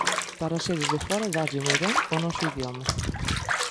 Para seres de fóra dáslle moi ben o noso idioma